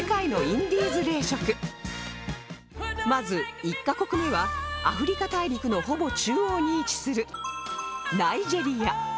まず１カ国目はアフリカ大陸のほぼ中央に位置するナイジェリア